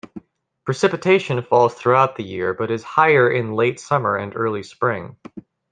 Precipitation falls throughout the year, but is higher in late summer and early spring.